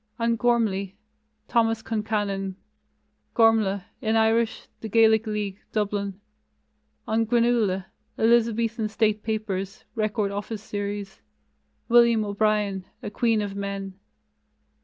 On Gormlai: Thomas Concannon, Gormflath (in Irish; The Gaelic League, Dublin). On Granuaile: Elizabethan State Papers (Record Office Series); William O'Brien, A Queen of Men.